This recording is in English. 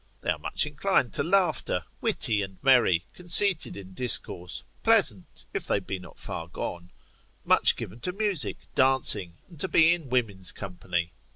They are much inclined to laughter, witty and merry, conceited in discourse, pleasant, if they be not far gone, much given to music, dancing, and to be in women's company.